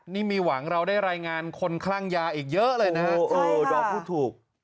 นี่มีหวังเราได้รายงานคนคลั่งยาอีกเยอะเลยนะฮะดอมพูดถูก